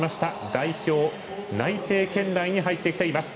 代表内定圏内に入ってきています。